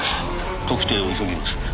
特定を急ぎます。